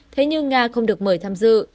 thế nhưng nga không được mời tham dự